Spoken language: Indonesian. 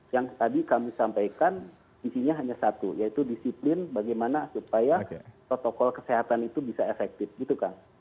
yang tadi kami sampaikan isinya hanya satu yaitu disiplin bagaimana supaya protokol kesehatan itu bisa efektif gitu kan